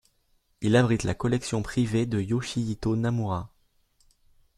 Il abrite la collection privée de Yoshihito Namura.